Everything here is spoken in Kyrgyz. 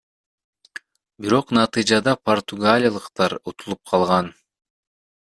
Бирок натыйжада португалиялыктар утулуп калган.